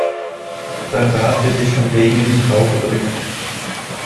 Sein Rat wird dich vom Regen in die Traufe bringen.